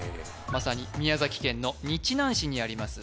まさに宮崎県の日南市にあります